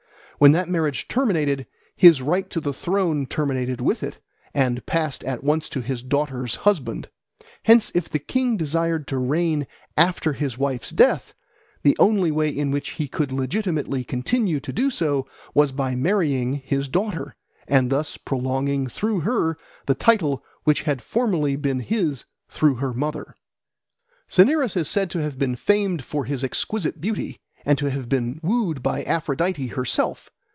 When that marriage terminated, his right to the throne terminated with it and passed at once to his daughter's husband. Hence if the king desired to reign after his wife's death, the only way in which he could legitimately continue to do so was by marrying his daughter, and thus prolonging through her the title which had formerly been his through her mother. Cinyras is said to have been famed for his exquisite beauty and to have been wooed by Aphrodite herself.